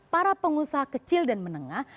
para pengusaha kecil dan menengah